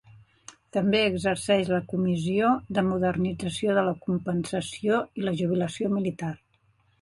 També exerceix la Comissió de modernització de la compensació i la jubilació militar.